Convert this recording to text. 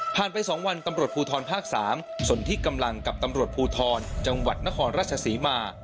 ไป๒วันตำรวจภูทรภาค๓ส่วนที่กำลังกับตำรวจภูทรจังหวัดนครราชศรีมา